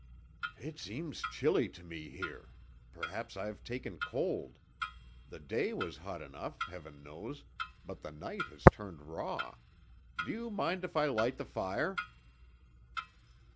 "It seems chilly to me here Perhaps I've taken cold. The day was hot enough, heaven knows, but the night has turned raw Do you mind if I light the fire?"